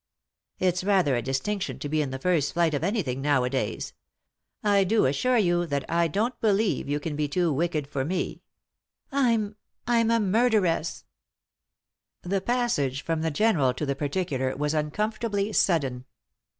" It's rather a distinction to be in the first flight of anything nowadays. I do assure you that I don't believe you can be too wicked for me.' " I'm — I'm a murderess." The passage from the general to the particular was uncomfortably sudden.